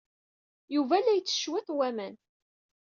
Yuba la yettess cwiṭ n waman.